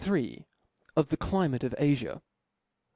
Of the Climate of Afa.